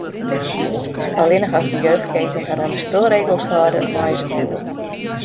Allinnich as de jeugdketen har oan de spulregels hâlde, meie se bliuwe.